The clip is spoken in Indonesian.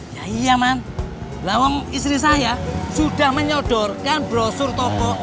ya iya man lawang istri saya sudah menyodorkan brosur toko